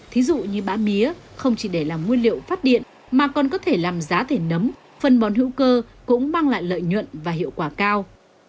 thí dụ như bã mía không chỉ để làm nguyên liệu phát điện mà còn có thể làm giá thể nấm phân bón hữu cơ cũng mang lại lợi nhuận và hiệu quả cao